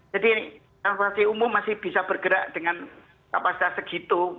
jadi transportasi umum masih bisa bergerak dengan kapasitas segitu